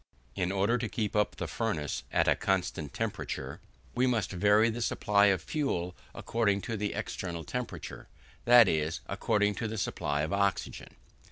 In order to keep up in the furnace a constant temperature, we must vary the supply of fuel according to the external temperature, that is, according to the supply of oxygen.